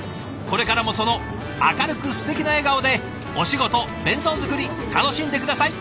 これからもその明るくすてきな笑顔でお仕事弁当作り楽しんで下さい！